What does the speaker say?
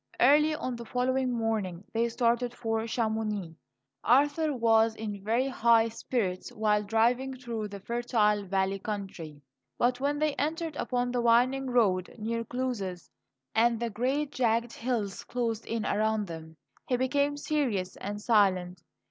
Early on the following morning they started for Chamonix. Arthur was in very high spirits while driving through the fertile valley country; but when they entered upon the winding road near Cluses, and the great, jagged hills closed in around them, he became serious and silent.